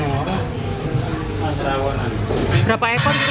tahun kemarin bisa sampai berapa per harinya